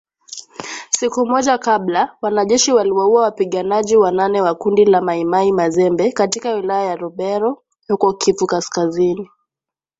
Siku moja kabla, wanajeshi waliwaua wapiganaji wanane wa kundi la Mai Mai Mazembe katika wilaya ya Lubero huko Kivu Kaskazini.